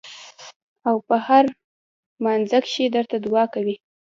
او پۀ هر مانځه کښې درته دعا کوي ـ